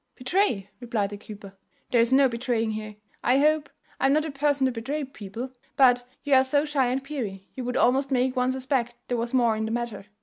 "Betray!" replied the keeper; "there is no betraying here, I hope I am not a person to betray people. But you are so shy and peery, you would almost make one suspect there was more in the matter.